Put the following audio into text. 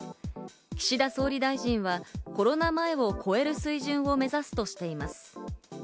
岸田総理大臣はコロナ前を超える水準を目指すとしています。